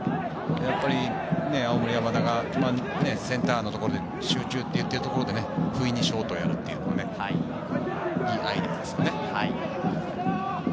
青森山田がセンターのところで集中と言っているところで不意にショートをやるというのはね、いいアイデアです。